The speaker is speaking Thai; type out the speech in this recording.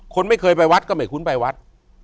คนไม่เคยไปวัดก็ไม่คุ้นไปวัด